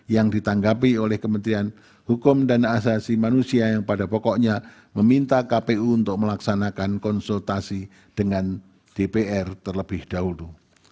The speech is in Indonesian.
yang ditanggapi oleh kementerian hukum dan asasi manusia yang pada pokoknya meminta kpu untuk melaksanakan konsultasi dengan dpr terlebih dahulu